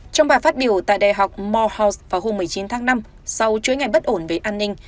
trong bài phát biểu tại đại học morehouse vào hôm một mươi chín tháng năm sau chối ngày bất ổn với an ninh